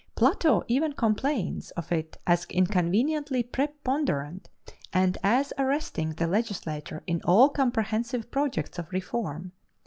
Plato even complains of it as inconveniently preponderant, and as arresting the legislator in all comprehensive projects of reform.